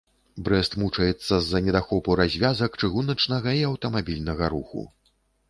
Брэст мучаецца з-за недахопу развязак чыгуначнага і аўтамабільнага руху.